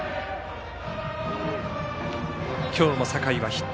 今日も酒井はヒット。